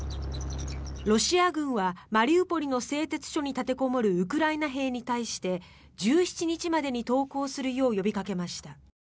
ロシア軍はマリウポリの製鉄所に立てこもるウクライナ兵に対して１７日までに投降するよう呼びかけました。